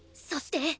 そして。